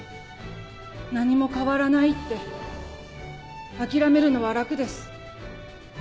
何も変わらないって諦めるのは楽です。